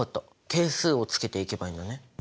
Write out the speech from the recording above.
係数をつけていけばいいんだね。